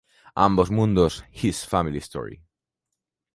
Ambos mundos his families history